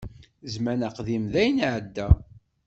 Zzman aqdim dayen iεedda.